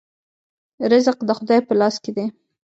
رزق د خدای په لاس کې دی